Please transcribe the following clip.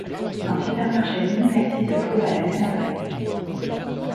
Un supermarché Mini Maxi se trouve à la même adresse.